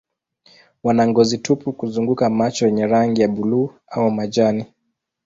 Wana ngozi tupu kuzunguka macho yenye rangi ya buluu au majani.